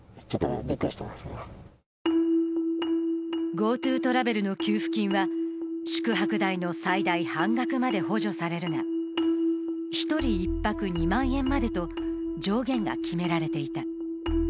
ＧｏＴｏトラベルの給付金は宿泊代の最大半額まで補助されるが、１人１泊２万円までと上限が決められていた。